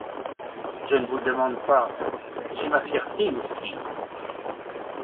Je ne vous le demande pas : j’ai ma fierté aussi !…